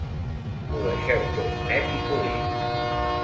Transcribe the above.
Ho deixeu tot net i polit.